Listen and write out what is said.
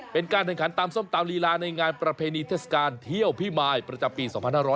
เป็นการแข่งขันตำส้มตำลีลาในงานประเพณีเทศกาลเที่ยวพิมายประจำปี๒๕๖๐